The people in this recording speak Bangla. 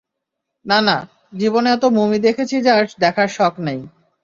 না, না, জীবনে এত মমি দেখেছি যে আর দেখার শখ নেই!